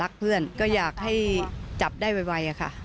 เพื่อนก็อยากให้จับได้ไวค่ะ